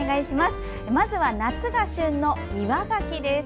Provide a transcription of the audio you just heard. まずは夏が旬の岩がきです。